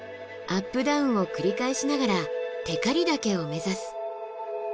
アップダウンを繰り返しながら光岳を目指す。